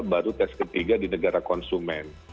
baru tes ketiga di negara konsumen